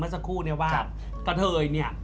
เมื่อสักครู่แล้วกะเทยเนี่ย